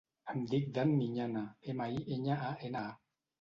Em dic Dan Miñana: ema, i, enya, a, ena, a.